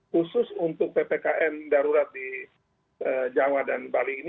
khusus untuk ppkm darurat di jawa dan bali ini